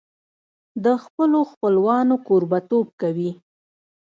د خپلو خپلوانو کوربهتوب کوي.